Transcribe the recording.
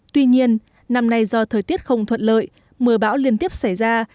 tuy nhiên năm nay do thời tiết không thuận lợi mưa bão liên tiếp xảy ra